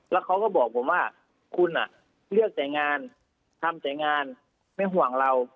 แล้วเขาก็บอกผมว่าคุณเลือกแต่งงานทำแต่งานไม่ห่วงเรา